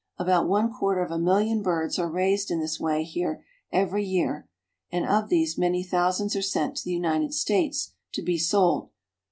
About one quarter of a million birds are raised in this way here every year, and of these many thousands are sent to the United States to be sold.